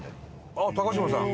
あっ高嶋さん？